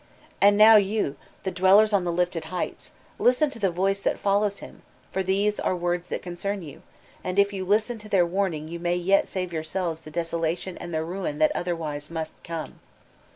And now, you, the dwellers on the lifted heights, listen to the voice that follows him, for these are words that concern you, and if you listen to their warning you may yet save jroursdves the desolation and the ruin that otherwise must come.